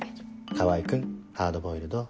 川合君ハードボイルド。